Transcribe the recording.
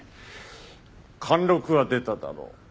貫禄は出ただろう？